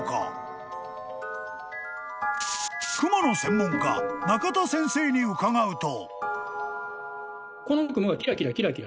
［クモの専門家中田先生に伺うと］